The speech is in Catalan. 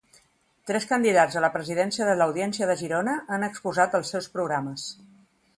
Tres candidats a la presidència de l'Audiència de Girona han exposat els seus programes.